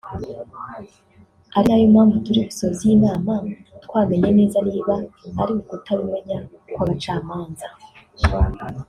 ari nayo mpamvu turi busoze iyi nama twamenye neza niba ari ukutabimenya kw’abacamanza